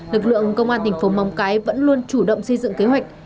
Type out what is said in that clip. lực lượng công an tp mong cái vẫn luôn chủ động xây dựng kế hoạch